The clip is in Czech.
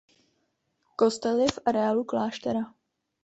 Kostel je v areálu kláštera.